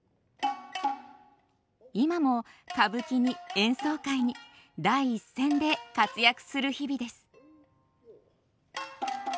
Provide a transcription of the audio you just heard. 今も歌舞伎に演奏会に第一線で活躍する日々です。